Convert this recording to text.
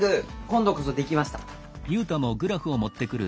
今度こそ出来ました！